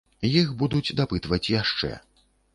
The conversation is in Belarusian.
Іх будуць дапытваць яшчэ.